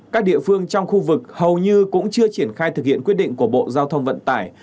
các địa phương trong khu vực hầu như cũng chưa triển khai thực hiện quyết định của bộ giao thông vận tải